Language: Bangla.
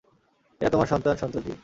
এরা তোমার সন্তান-সন্ততি।